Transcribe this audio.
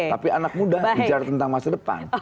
tapi anak muda bicara tentang masa depan